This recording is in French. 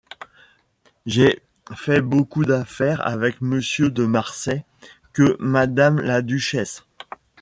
J’ai fait beaucoup d’affaires avec monsieur de Marsay que madame la duchesse…